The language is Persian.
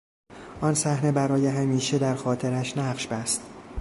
آن صحنه برای همیشه در خاطرش نقش بست.